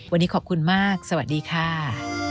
วันนี้ขอบคุณมากสวัสดีค่ะ